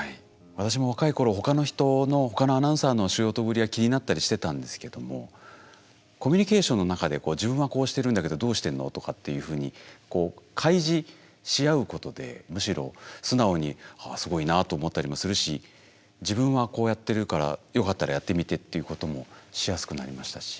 私も若い頃他の人の他のアナウンサーの仕事ぶりが気になったりしてたんですけどもコミュニケーションの中で自分はこうしてるんだけどどうしてるの？とかっていうふうに開示し合うことでむしろ素直にああすごいなと思ったりもするし自分はこうやってるからよかったらやってみてっていうこともしやすくなりましたし。